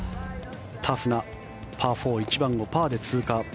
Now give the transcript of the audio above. タフなパー４１番をパー４で通過。